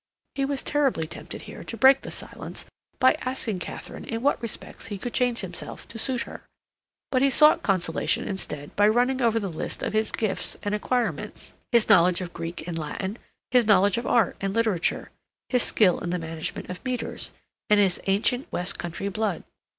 He was terribly tempted here to break the silence by asking Katharine in what respects he could change himself to suit her; but he sought consolation instead by running over the list of his gifts and acquirements, his knowledge of Greek and Latin, his knowledge of art and literature, his skill in the management of meters, and his ancient west country blood.